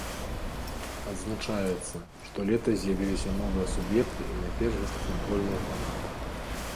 Адзначаецца, што летась з'явіліся новыя суб'екты і найперш гэта футбольныя фанаты.